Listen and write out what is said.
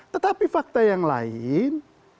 tetapi fakta yang lain